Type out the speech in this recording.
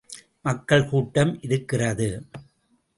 மக்கள் கூட்டம் இருக்கிறது.